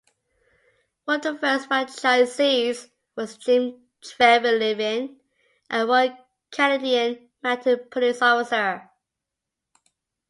One of the first franchisees was Jim Treliving, a Royal Canadian Mounted Police officer.